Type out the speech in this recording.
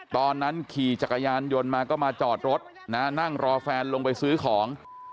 ตอนนั้นขี่จักรยานยนต์มาก็มาจอดรถนะนั่งรอแฟนลงไปซื้อของ